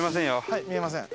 はい見えません。